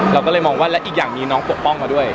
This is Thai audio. เราก็เลยมองว่าและอีกอย่างมีน้องปกป้องมาด้วย